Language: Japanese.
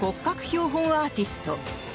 標本アーティスト。